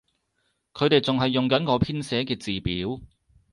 佢哋仲係用緊我編寫嘅字表